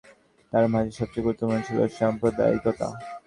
তার মাঝে সবচে গুরুত্বপূর্ণ ছিল সাম্প্রদায়িকতা।